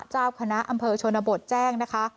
เจ้าคณะอำเภอชนบทแจ้งนะคะ